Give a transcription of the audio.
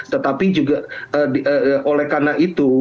tetapi juga oleh karena itu